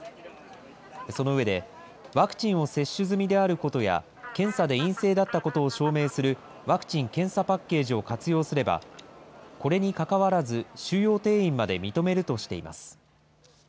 その上で、ワクチンを接種済みであることや、検査で陰性だったことを証明するワクチン・検査パッケージを活用すれば、これにかかわらず収容定員まで認めるとしています。